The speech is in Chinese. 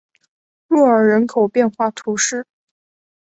若尔人口变化图示